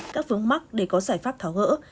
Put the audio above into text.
các vướng mắc để có giải pháp thảo gỡ